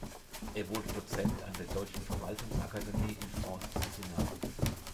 Er wurde Dozent an der Deutschen Verwaltungsakademie in Forst Zinna.